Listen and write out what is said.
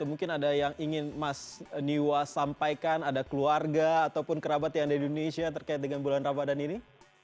mungkin ada yang ingin mas niwa sampaikan ada keluarga ataupun kerabat yang ada di indonesia terkait dengan bulan ramadan ini